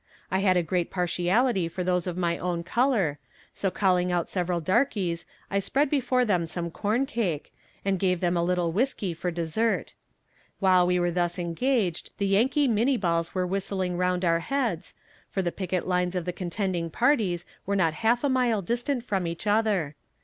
I had a great partiality for those of my own color, so calling out several darkies I spread before them some corn cake, and gave them a little whiskey for dessert. While we were thus engaged the Yankee Minnie balls were whistling round our heads, for the picket lines of the contending parties were not half a mile distant from each other.